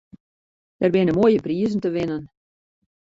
Der binne moaie prizen te winnen.